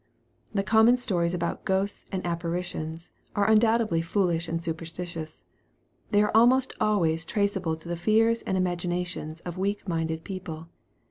The common stories about ghosts and apparitions, are undoubtedly foolish and superstitious. They are almost always traceable to the fears and imaginations of weak minded people.